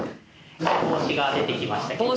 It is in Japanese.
帽子が出てきました。